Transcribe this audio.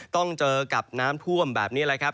ต้องเจอกับน้ำท่วมแบบนี้แหละครับ